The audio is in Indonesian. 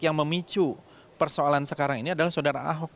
yang memicu persoalan sekarang ini adalah saudara ahok